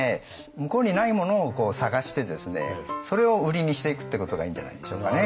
向こうにないものを探してですねそれを売りにしていくってことがいいんじゃないでしょうかね。